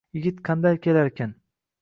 Yigit qanday kelarkin